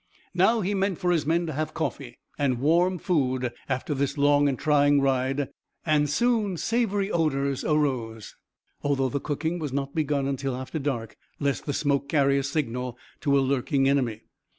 Now he meant for his men to have coffee, and warm food after this long and trying ride and soon savory odors arose, although the cooking was not begun until after dark, lest the smoke carry a signal to a lurking enemy.